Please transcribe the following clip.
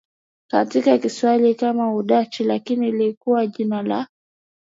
katika Kiswahili kama Udachi lakini lilikuwa jina la